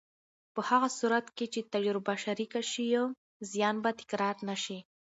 په هغه صورت کې چې تجربه شریکه شي، زیان به تکرار نه شي.